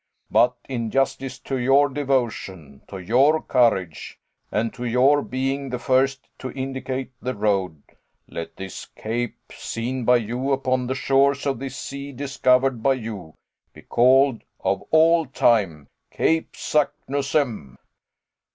But in justice to your devotion, to your courage, and to your being the first to indicate the road, let this cape, seen by you upon the shores of this sea discovered by you, be called, of all time, Cape Saknussemm."